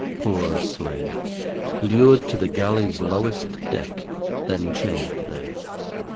Poor Slave! Lured to the galley's lowest deck, then chained there.